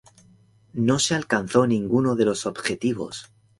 No se alcanzó ninguno de los objetivos.